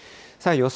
予想